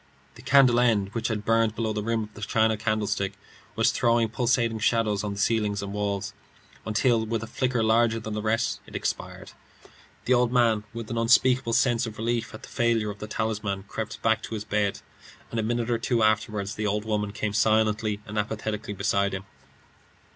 The candle end, which had burned below the rim of the china candlestick, was throwing pulsating shadows on the ceiling and walls, until, with a flicker larger than the rest, it expired. The old man, with an unspeakable sense of relief at the failure of the talisman, crept back to his bed, and a minute or two afterward the old woman came silently and apathetically beside him.